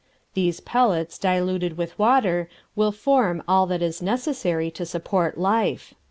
These pellets, diluted with water, will form all that is necessary to support life.